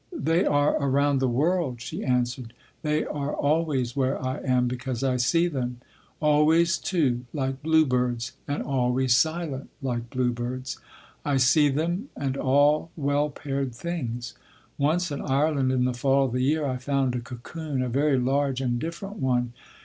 "They are around the world," she answered. "They are always where I am because I see them. Always two—like bluebirds, and always silent like bluebirds. I see them and all well paired things.... Once in Ireland in the fall of the year I found a cocoon, a very large and different one.